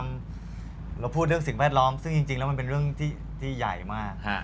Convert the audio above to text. เราพูดเรื่องสิ่งแวดล้อมซึ่งจริงแล้วมันเป็นเรื่องที่ใหญ่มาก